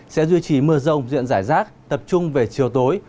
sẽ duy trì mưa rông diện rải rác tập trung về chiều tối